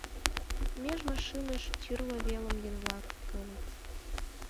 Меж машиныш тӱрлӧ велым еҥ-влак толыт.